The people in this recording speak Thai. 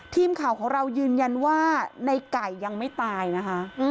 ทีมข่าวของเรายืนยันว่าในไก่ยังไม่ตายนะคะ